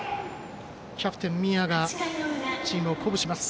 キャプテン、宮がチームを鼓舞します。